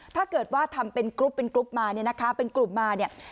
ถ้าเกิดว่าทำเป็นกรุ๊ปเป็นกรุ๊ปมา